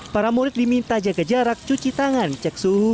para murid diminta jaga jarak cuci tangan cek suhu